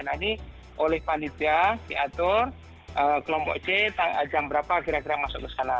nah ini oleh panitia diatur kelompok c jam berapa kira kira masuk ke sana